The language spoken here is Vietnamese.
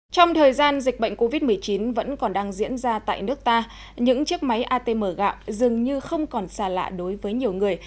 trong thời gian dịch bệnh covid một mươi chín vẫn còn đang diễn ra tại nước ta những chiếc máy atm gạo dường như không còn xa lạ đối với nhiều người